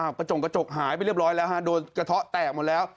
กระจกหายไปเรียบร้อยแล้วโดนกระทะแตกหมดแล้ว